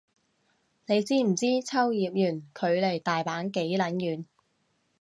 你知唔知秋葉原距離大阪幾撚遠